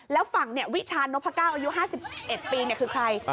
แล้วฝั่งวิชานพก้าวอายุ๕๑ปีคือใคร